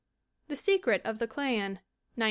The Secret of the Clan, 1912.